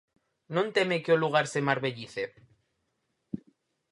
Non teme que o lugar se marbellice.